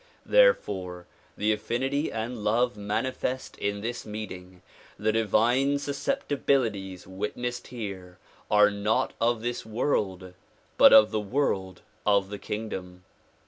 Therefore the affinity and love manifest in this meeting, the divine susceptibilities witnessed here are not of this world but of the world of the kingdom.